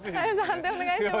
判定お願いします。